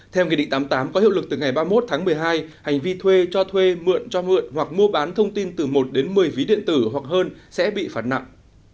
theo nghị định tám mươi tám có hiệu lực từ ngày ba mươi một tháng một mươi hai hành vi thuê cho thuê mượn cho mượn hoặc mua bán thông tin từ một đến một mươi ví điện tử hoặc hơn sẽ bị phạt nặng